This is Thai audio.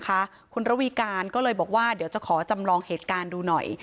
กับสำนวนคดีนะคะคนระวีการก็เลยบอกว่าเดี๋ยวจะขอจำลองเหตุการณ์ดูหน่อย